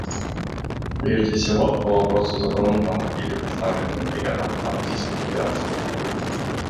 Прежде всего, по вопросу, затронутому или поставленному делегатом от Российской Федерации.